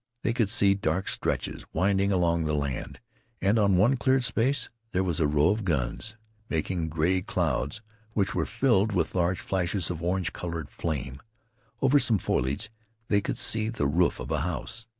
They could see dark stretches winding along the land, and on one cleared space there was a row of guns making gray clouds, which were filled with large flashes of orange colored flame. Over some foliage they could see the roof of a house.